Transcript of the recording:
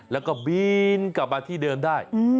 แล้วก็บินกลับมาที่เดิมได้